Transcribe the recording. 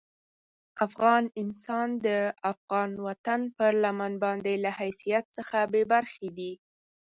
افغان انسان د افغان وطن پر لمن باندې له حیثیت څخه بې برخې دي.